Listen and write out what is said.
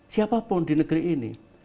siapapun di negeri ini